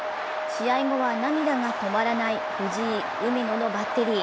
試合後は涙が止まらない藤井・海野のバッテリー。